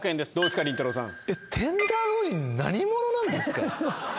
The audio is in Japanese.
テンダーロイン何ものなんですか